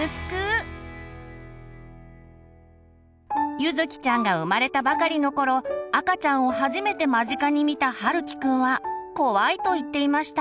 ゆずきちゃんが生まれたばかりの頃赤ちゃんを初めて間近に見たはるきくんは「こわい」と言っていました。